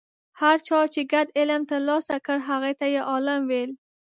هر چا چې ګډ علم ترلاسه کړ هغه ته یې عالم ویل.